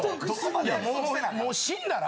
もう死んだら？